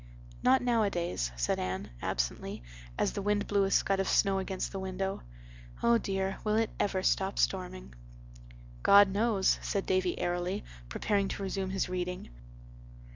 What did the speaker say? "Not nowadays," said Anne, absently, as the wind blew a scud of snow against the window. "Oh, dear, will it ever stop storming." "God knows," said Davy airily, preparing to resume his reading.